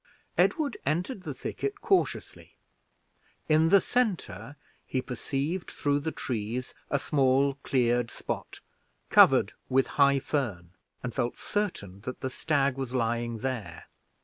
Edward entered the thicket cautiously. In the center he perceived, through the trees, a small cleared spot, covered with high fern, and felt certain that the stag was lying there.